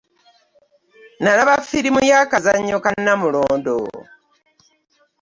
Nalaba firimu y'akazannyo ka nnamulondo .